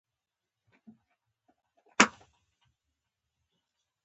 څنګه کولی شم د کور کارونه اسانه کړم